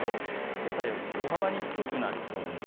けさよりも大幅に低くなりそうです。